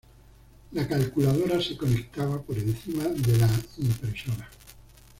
La calculadora se conectaba por encima de la impresora.